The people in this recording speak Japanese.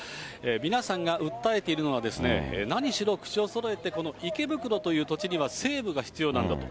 皆さんが訴えているのは、何しろ口をそろえて、この池袋という土地には西武が必要なんだと。